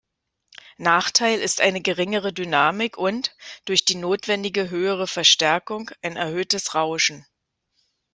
Nachteil ist eine geringere Dynamik und, durch die notwendige höhere Verstärkung, ein erhöhtes Rauschen.